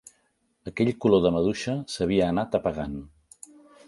Aquell color de maduixa, s'havia anat apagant